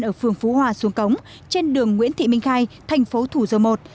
ở phường phú hòa xuống cống trên đường nguyễn thị minh khai thành phố thủ dầu một